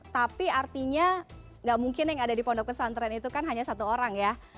tapi artinya nggak mungkin yang ada di pondok pesantren itu kan hanya satu orang ya